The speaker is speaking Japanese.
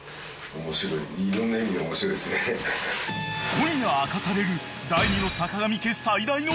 ［今夜明かされる］